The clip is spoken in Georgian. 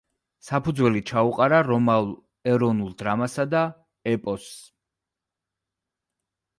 საფუძველი ჩაუყარა რომაულ ეროვნულ დრამასა და ეპოსს.